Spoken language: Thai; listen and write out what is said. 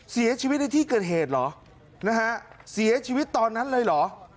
เสียชีวิตในที่เกิดเหตุเหรอนะฮะเสียชีวิตตอนนั้นเลยเหรอ